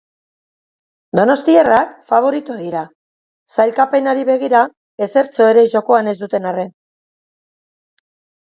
Donostiarrak faborito dira, sailkapenari begira ezertxo ere jokoan ez duten arren.